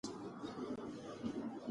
که زده کړه معیاري وي نو ټولنه پرمختګ کوي.